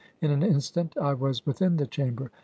. In an instant I was within the chamber.